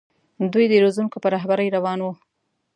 دوی د روزونکو په رهبرۍ روان وو.